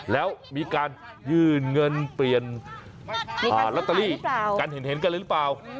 แล้วมีการยื่นเงินเปลี่ยนลอตเตอรี่กันเห็นกันเลยหรือเปล่า